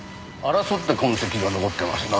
争った痕跡が残ってますな。